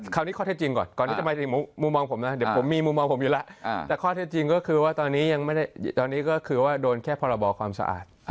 คราวนี้ข้อเท่าจริงก่อนเดี๋ยวผมมีมุมมองผมอยู่แล้วแต่ข้อเท่าจริงก็คือว่าตอนนี้ก็คือว่าโดนแค่พอระบอความสะอาด